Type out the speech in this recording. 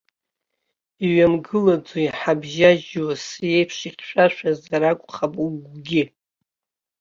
Иҩамгылаӡо иҳабжьажьу асы еиԥш ихьшәашәазар акәхап угәгьы.